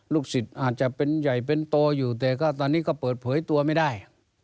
สิทธิ์อาจจะเป็นใหญ่เป็นโตอยู่แต่ก็ตอนนี้ก็เปิดเผยตัวไม่ได้